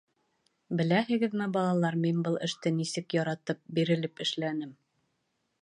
Беләһегеҙме, балалар, мин был эште нисек яратып, бирелеп эшләнем!